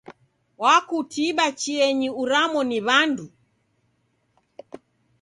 Wakutiba chienyi uramo ni w'andu?